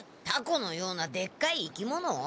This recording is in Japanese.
タコのようなでっかい生き物？